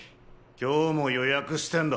今日も予約してんだ。